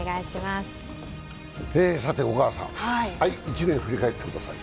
さて小川さん、１年振り返ってください。